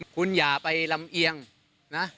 คุณอย่าไปลำเอียงนะ